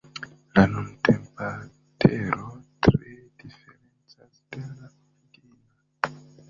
La nuntempa Tero tre diferencas de la origina.